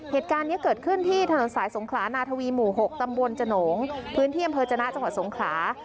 เหตุการณ์นี้เกิดขึ้นที่ถนนสายสงขลานาทวีหมู่๖ตำบลจโหนงพื้นที่อำเภอจนะจังหวัดสงขลา